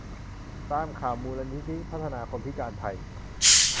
ตามข่าว มูลนิธิพัฒนาคนพิการไทย